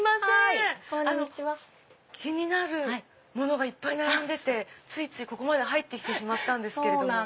気になるものがいっぱい並んでてついついここまで入ってきてしまったんです。